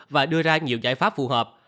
và đưa ra nhiều giải pháp phù hợp